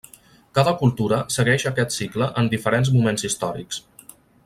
Cada cultura segueix aquest cicle en diferents moments històrics.